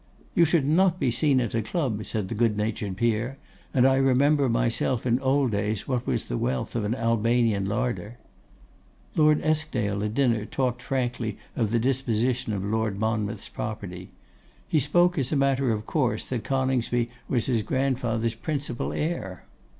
'You should not be seen at a club,' said the good natured peer; 'and I remember myself in old days what was the wealth of an Albanian larder.' Lord Eskdale, at dinner, talked frankly of the disposition of Lord Monmouth's property. He spoke as a matter of course that Coningsby was his grandfather's principal heir.